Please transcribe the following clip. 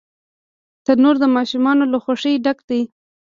تنور د ماشومانو له خوښۍ ډک دی